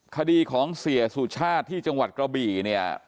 คดีของเสียสุชาติที่จังหวัดกระบี่เนี่ย